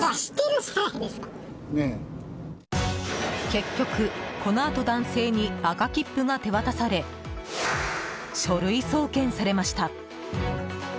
結局このあと男性に赤切符が手渡され書類送検されました。